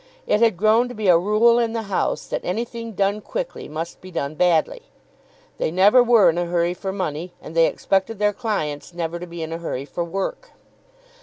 It had grown to be a rule in the house that anything done quickly must be done badly. They never were in a hurry for money, and they expected their clients never to be in a hurry for work.